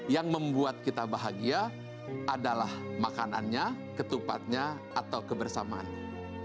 yang membuat kita bahagia adalah makanannya ketupatnya atau kebersamaannya